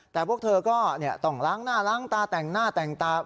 แต่พวกเธอก็ต้องล้างหน้าล้างตาแต่งหน้าแต่งตา